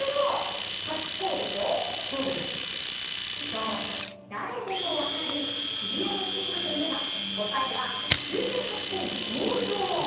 そう、誰でも分かる渋谷のシンボルといえば答えは、忠犬ハチ公の銅像！